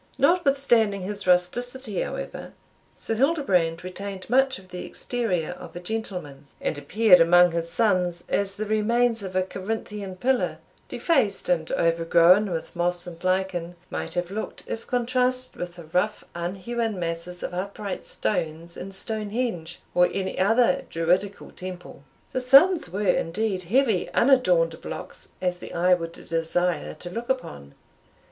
Notwithstanding his rusticity, however, Sir Hildebrand retained much of the exterior of a gentleman, and appeared among his sons as the remains of a Corinthian pillar, defaced and overgrown with moss and lichen, might have looked, if contrasted with the rough unhewn masses of upright stones in Stonhenge, or any other Druidical temple. The sons were, indeed, heavy unadorned blocks as the eye would desire to look upon.